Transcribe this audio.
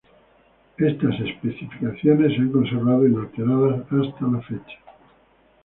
Estas especificaciones se han conservado inalteradas hasta la fecha.